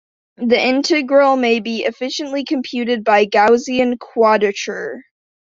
The integral may be efficiently computed by Gaussian quadrature.